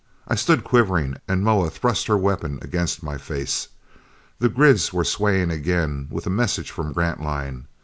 I stood quivering, and Moa thrust her weapon against my face. The grids were swaying again with a message from Grantline.